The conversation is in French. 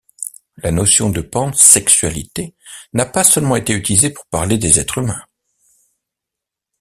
La notion de pansexualité n'a pas seulement été utilisée pour parler des êtres humains.